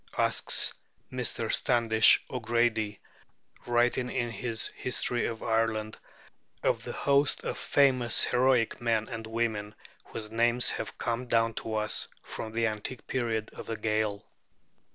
asks Mr. Standish O'Grady, writing in his 'History of Ireland' of the host of famous heroic men and women whose names have come down to us from the antique periods of the Gael.